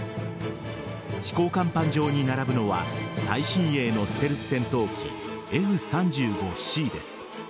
飛行甲板上に並ぶのは最新鋭のステルス戦闘機Ｆ‐３５Ｃです。